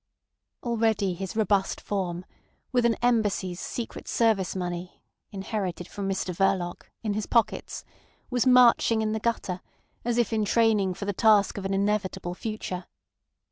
Already his robust form, with an Embassy's secret service money (inherited from Mr Verloc) in his pockets, was marching in the gutter as if in training for the task of an inevitable future.